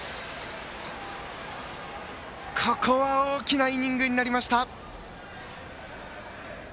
ここは大きなイニングになりました。